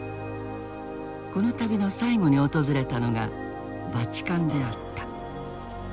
この旅の最後に訪れたのがバチカンであった。